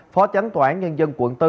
phó chánh tòa án nhân dân quận bốn